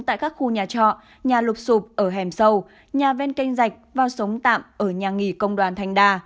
tại các khu nhà trọ nhà lục sụp ở hẻm sâu nhà ven kênh dạch vào sống tạm ở nhà nghỉ công đoàn thành đà